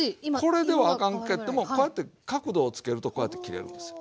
これではあかんけどもこうやって角度をつけるとこうやって切れるんですよ。